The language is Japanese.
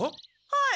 はい。